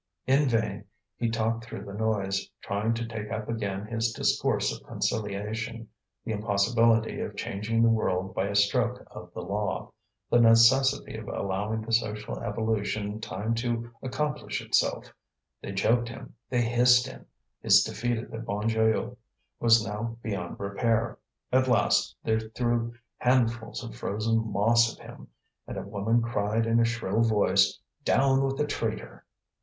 In vain he talked through the noise, trying to take up again his discourse of conciliation, the impossibility of changing the world by a stroke of law, the necessity of allowing the social evolution time to accomplish itself; they joked him, they hissed him; his defeat at the Bon Joyeux was now beyond repair. At last they threw handfuls of frozen moss at him, and a woman cried in a shrill voice: "Down with the traitor!"